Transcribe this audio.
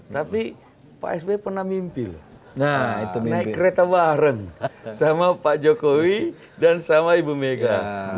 tapi pak sby pernah mimpi nah itu naik kereta bareng sama pak jokowi dan sama ibu mega